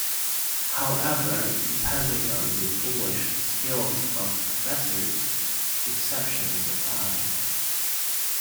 However, depending on the English skills of professors, exceptions apply.